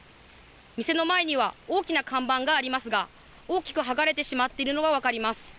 店の前には大きな看板がありますが、大きく剥がれてしまっているのが分かります。